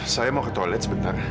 saya mau ke toilet sebentar